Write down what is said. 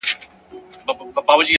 هره شېبه د سم تصمیم وخت کېدای شي!.